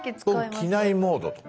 僕「機内モード」とか。